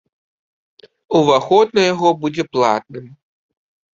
Уваход на яго будзе платным.